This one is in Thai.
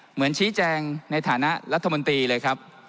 เหมือนชี้แจงในฐานะรัฐมนตรีเลยครับ